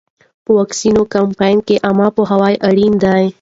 په واکسین کمپاین کې عامه پوهاوی اړین دی.